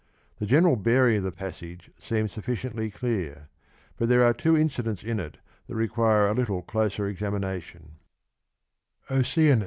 The general bearing of the passage seems sufficiently clear, but there are two incidents in it that require a little closer examination.